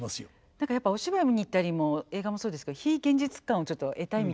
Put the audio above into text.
何かやっぱりお芝居見に行ったりも映画もそうですけど非現実感をちょっと得たいみたいな時あるじゃないですか。